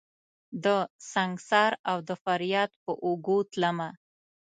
دسنګسار اودفریاد په اوږو تلمه